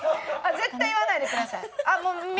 絶対言わないでください。